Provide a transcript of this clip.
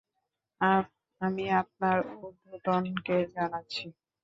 আমি আপনার উধ্বর্তনকে জানাচ্ছি।